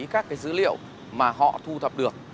các dữ liệu mà họ thu thập được